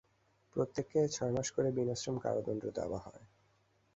প্রত্যেককে ছয় মাস করে বিনাশ্রম কারাদণ্ড দেওয়া হয়।